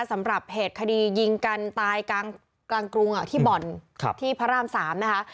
สำหรับเหตุคดียิงกันตายกลางกรุงที่บ่อนที่พระราม๓นะคะ